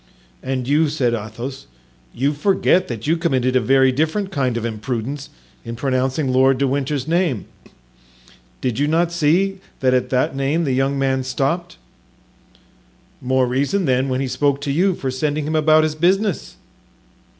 "And you," said Athos, "you forget that you committed a very different kind of imprudence in pronouncing Lord de Winter's name. Did you not see that at that name the young man stopped?" "More reason, then, when he spoke to you, for sending him about his business."